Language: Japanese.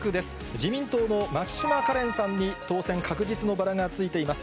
自民党の牧島かれんさんに、当選確実のバラがついています。